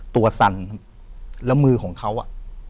สั่นแล้วมือของเขาอ่ะ